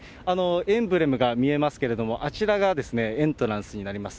エンブレムが見えますけれども、あちらがエントランスになります。